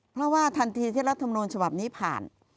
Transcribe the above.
เพราะว่าทันทีที่รัฐมนูลฉบับนี้ผ่าน